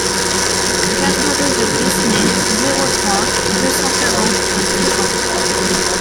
quatre rue de Bresnay, zéro trois, deux cent quarante à Treban